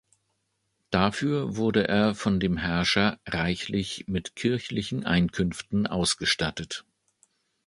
Dafür wurde er von dem Herrscher reichlich mit kirchlichen Einkünften ausgestattet.